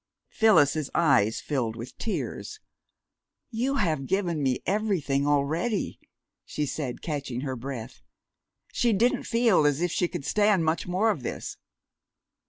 '" Phyllis's eyes filled with tears. "You have given me everything already," she said, catching her breath. She didn't feel as if she could stand much more of this.